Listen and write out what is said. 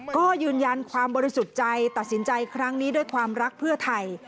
ก็ยืนยันความบริสุทธิ์ใจตัดสินใจครั้งนี้ด้วยความรักเพื่อไทย